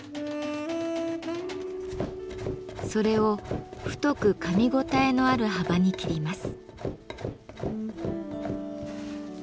それを太くかみごたえのある幅に切ります。